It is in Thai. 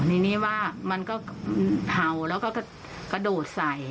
ทีนี้ว่ามันก็เห่าแล้วก็กระโดดใส่